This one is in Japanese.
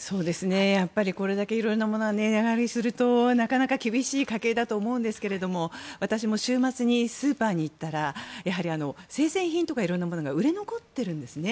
やっぱりこれだけ色々なものが値上がりするとなかなか厳しい家計だと思うんですけども私も週末にスーパーに行ったら生鮮品とか色んなものが売れ残っているんですね。